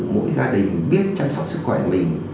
mỗi gia đình biết chăm sóc sức khỏe mình